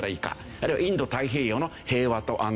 あるいはインド太平洋の平和と安定。